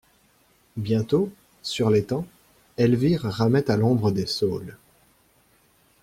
Bientôt, sur l'étang, Elvire ramait à l'ombre des saules.